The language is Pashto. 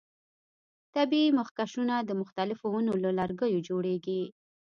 طبیعي مخکشونه د مختلفو ونو له لرګیو جوړیږي.